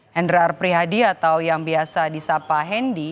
hendra arprihadi atau yang biasa di sapa hendi